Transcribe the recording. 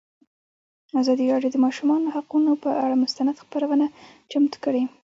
ازادي راډیو د د ماشومانو حقونه پر اړه مستند خپرونه چمتو کړې.